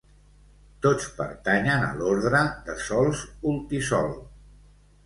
Tots pertanyen a l'ordre de sòls ultisol.